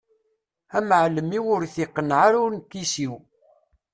Amεellem-iw ur t-iqenneε ara uneqqis-iw.